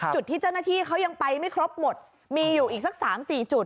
จุดที่เจ้าหน้าที่เขายังไปไม่ครบหมดมีอยู่อีกสัก๓๔จุด